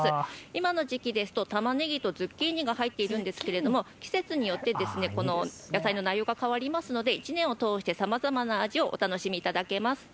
今の時期だとたまねぎとズッキーニが入っているんですが、季節によって野菜の内容が変わるので１年を通してさまざまな味をお楽しみいただけます。